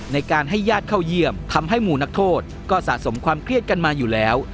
ในการให้ญาติเข้าเยี่ยมทำให้หมู่นักโทษก็สะสมความเครียดกันมาอยู่แล้ว